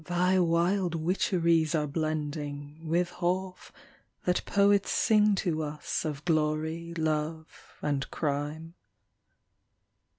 Thy wild witcheries are blending With half that poets sing to us of glory, love, and crime.